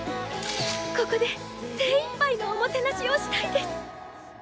ここで精いっぱいのおもてなしをしたいです！